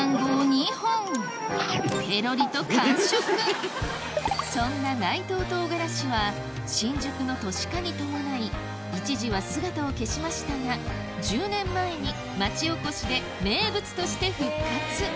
ぺろりとそんな内藤とうがらしは新宿の都市化に伴い一時は姿を消しましたが１０年前に町おこしで名物として復活